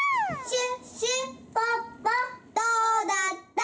どうだった？